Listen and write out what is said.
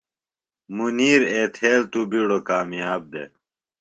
منیر ایتھیل تو بِیڈوۡ کامیاب دےۡ۔